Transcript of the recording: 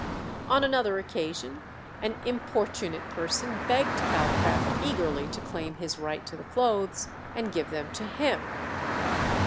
On another occasion an importunate person begged Calcraft eagerly to claim his right to the clothes, and give them to him.